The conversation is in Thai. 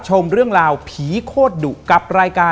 ซาทุฝันดีผีไม่หลอก